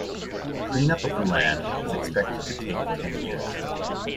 The clean up of the land was expected to take ten years.